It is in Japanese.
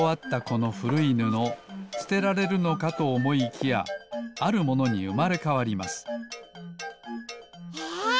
このふるいぬのすてられるのかとおもいきやあるものにうまれかわりますえ？